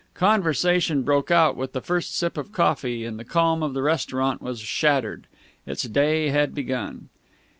Conversation broke out with the first sip of coffee, and the calm of the restaurant was shattered. Its day had begun.